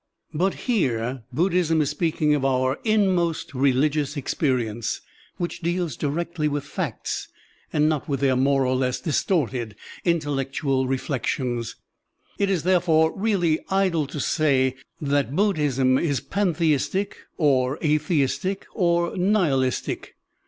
*' But here Buddhism is speak ing of our inmost religious experience, which deals directly with facts and not with their more or less distorted intellectual reflections. It is, therefore, really idle to say that Buddhism is pantheistic or atheistic or nihilistic.